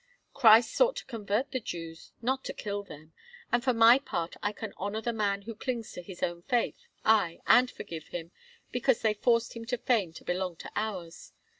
Christ sought to convert the Jews, not to kill them; and for my part I can honour the man who clings to his own faith, aye, and forgive him because they forced him to feign to belong to ours.